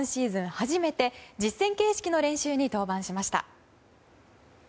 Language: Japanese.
初めて実戦形式のゲームに登板しました。